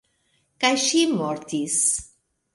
Kaj ŝi mortis.